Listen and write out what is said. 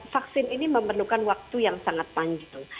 vaksin ini memerlukan waktu yang sangat panjang